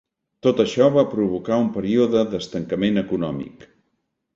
Tot això va provocar un període d'estancament econòmic.